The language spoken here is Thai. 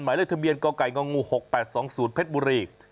หมายได้ทะเบียนก๐๘๒๐เพชรบุรี